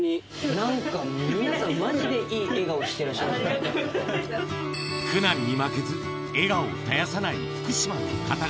なんか皆さん、苦難に負けず、笑顔を絶やさない福島の方々。